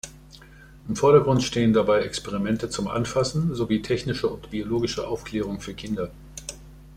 Im Vordergrund stehen dabei Experimente zum Anfassen sowie technische und biologische Aufklärung für Kinder.